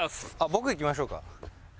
僕いきましょうか？